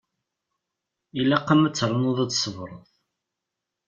Ilaq-am ad ternuḍ ad tṣebreḍ.